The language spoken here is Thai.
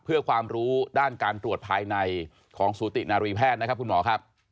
เพื่อความรู้ด้านการตรวจภายในของสูตินารีแพทย์นะครับคุณหมอครับ